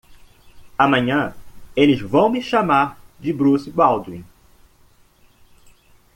Amanhã eles vão me chamar de Bruce Baldwin.